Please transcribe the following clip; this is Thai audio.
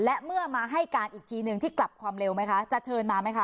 และเมื่อมาให้การอีกทีหนึ่งที่กลับความเร็วไหมคะจะเชิญมาไหมคะ